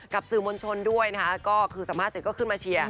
สื่อมวลชนด้วยนะคะก็คือสัมภาษณ์เสร็จก็ขึ้นมาเชียร์